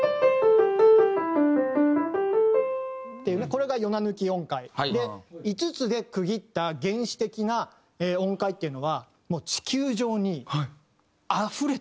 これが４７抜き音階で５つで区切った原始的な音階っていうのがもう地球上にあふれてるんですよ。